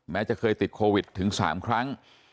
จะเคยติดโควิดถึง๓ครั้ง